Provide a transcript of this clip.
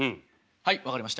はい分かりました。